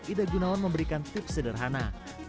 ida gunawan memberikan tips sederhana